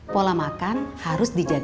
pola makan harus dijaga